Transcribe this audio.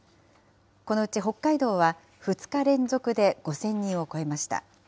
このうち北海道は２日連続で５０００人を超えました。